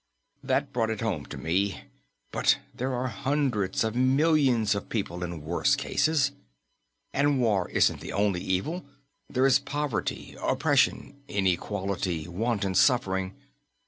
That brought it home to me; but there are hundreds of millions of people in worse cases. And war isn't the only evil there is poverty, oppression, inequality, want and suffering.